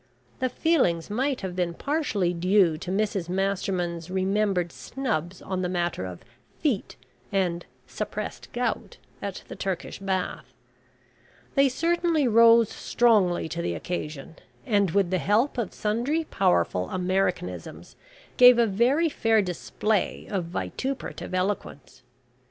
The feelings might have been partially due to Mrs Masterman's remembered snubs on the matter of "feet," and "suppressed gout," at the Turkish Bath. They certainly rose strongly to the occasion, and, with the help of sundry powerful Americanisms, gave a very fair display of vituperative eloquence.